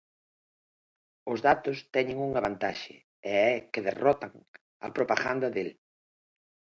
Os datos teñen unha vantaxe, e é que derrotan a propaganda del.